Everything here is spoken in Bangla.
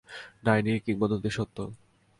ডাইনির কিংবদন্তি সত্য।